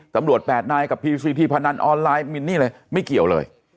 ๘นายกับพีซีทีพนันออนไลน์มินนี่เลยไม่เกี่ยวเลย